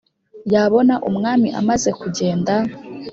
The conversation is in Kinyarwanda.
yabona umwami amaze kugenda,